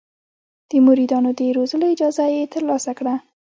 د مریدانو د روزلو اجازه یې ترلاسه کړه.